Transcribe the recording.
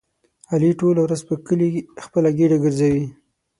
علي ټوله ورځ په کلي خپله ګېډه ګرځوي.